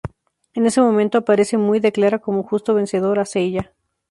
En ese momento aparece Mu y declara como justo vencedor a Seiya.